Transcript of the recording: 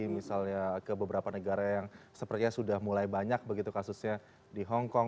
misalnya ke beberapa negara yang sepertinya sudah mulai banyak begitu kasusnya di hongkong